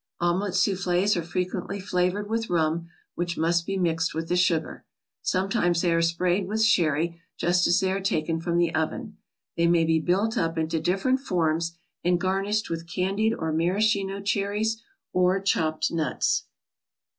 Omelet souffles are frequently flavored with rum, which must be mixed with the sugar. Sometimes they are sprayed with sherry just as they are taken from the oven. They may be built up into different forms, and garnished with candied or maraschino cherries, or chopped nuts.